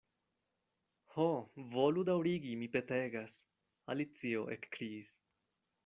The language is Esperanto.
"Ho, volu daŭrigi, mi petegas," Alicio ekkriis.